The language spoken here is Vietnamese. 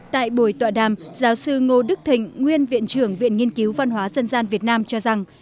tại buổi tọa đàm giáo sư ngô đức thịnh nguyên viện trưởng viện nghiên cứu văn hóa dân gian việt nam cho rằng